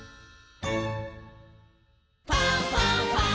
「ファンファンファン」